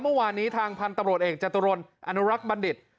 เมื่อวานนี้ทางพันธุ์ตำรวจเอกจตุรนอนุรักษ์บัณฑิต